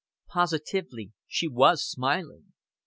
Positively she was smiling.